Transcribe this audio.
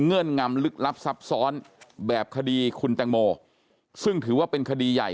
งำลึกลับซับซ้อนแบบคดีคุณแตงโมซึ่งถือว่าเป็นคดีใหญ่